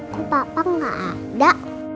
kok bapak nggak ada